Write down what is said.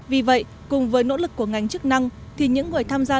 vì vậy cùng với nỗ lực của ngành chức năng thì những người tham gia